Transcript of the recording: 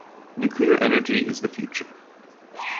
Nuclear energy is the future.